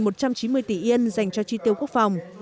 năm một trăm chín mươi tỷ yên dành cho tri tiêu quốc phòng